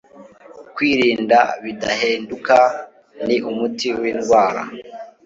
Kwirinda Bidahinduka ni Umuti w’Indwara